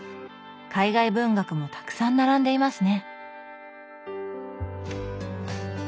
海外文学もたくさん並んでいますね。